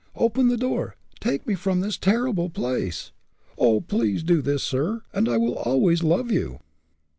Open the door take me from this terrible place! Oh! please do this, sir, and I will always love you."